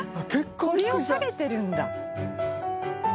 鳥を下げてるんだ。